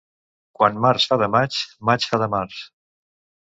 Quan març fa de maig, maig fa de març